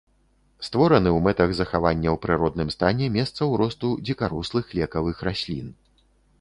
Створаны ў мэтах захавання ў прыродным стане месцаў росту дзікарослых лекавых раслін.